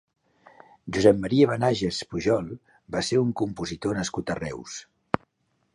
Josep Maria Benaiges Pujol va ser un compositor nascut a Reus.